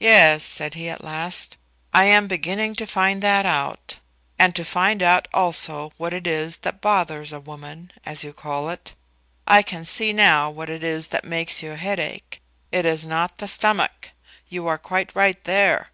"Yes," said he at last; "I am beginning to find that out; and to find out also what it is that bothers a woman, as you call it. I can see now what it is that makes your head ache. It is not the stomach. You are quite right there.